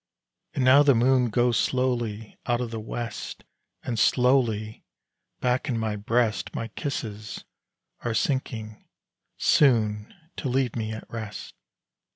And now the moon Goes slowly out of the west, And slowly back in my breast My kisses are sinking, soon To leave me at rest.